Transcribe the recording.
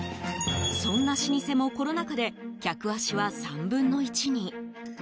そんな老舗もコロナ禍で客足は３分の１に。